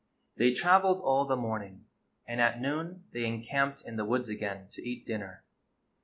They traveled all the morning, and at noon they encamped in the woods again to eat dinner.